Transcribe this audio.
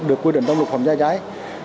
được quy định trong lực phòng cháy trái